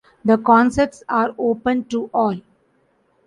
The concerts are open to all.